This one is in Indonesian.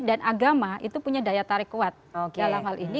agama itu punya daya tarik kuat dalam hal ini